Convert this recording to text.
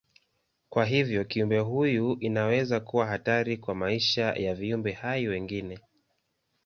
Kwa hivyo kiumbe huyu inaweza kuwa hatari kwa maisha ya viumbe hai wengine.